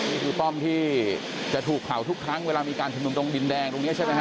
นี่คือป้อมที่จะถูกเผาทุกครั้งเวลามีการจุดนมตรงบินแดงตรงนี้ใช่ไหมครับ